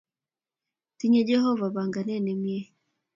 Tinye Jehova panganet ne mie.